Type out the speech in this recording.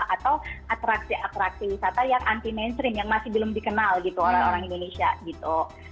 atau atraksi atraksi wisata yang anti mainstream yang masih belum dikenal gitu orang orang indonesia gitu